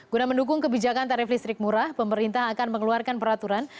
guna mendukung kebijakan tarif listrik murah pemerintah akan mengeluarkan peraturan